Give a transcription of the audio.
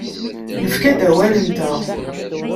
Nefka-d awal-nteɣ.